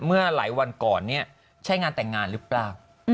เมื่อหลายวันก่อนเนี่ยใช่งานแต่งงานหรือเปล่า